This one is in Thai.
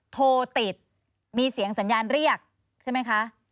โทรติดมีเสียงสัญญาณเรียกใช่ไหมคะ